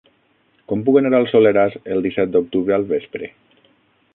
Com puc anar al Soleràs el disset d'octubre al vespre?